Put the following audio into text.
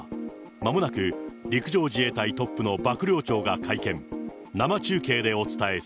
まもなく陸上自衛隊トップの幕僚長が会見。